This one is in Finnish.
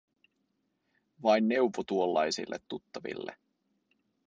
Vain neuvo tuollaisille tuttaville.